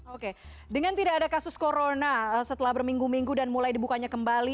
oke dengan tidak ada kasus corona setelah berminggu minggu dan mulai dibukanya kembali